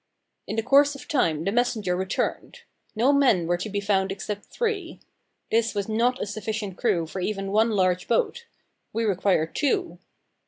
In the course of time the messenger returned. No men were to be found except three. This was not a sufficient crew for even one large boat we required two.